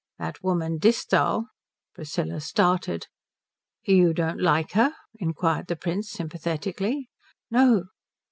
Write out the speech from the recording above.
That woman Disthal " Priscilla started. "You don't like her?" inquired the Prince sympathetically. "No."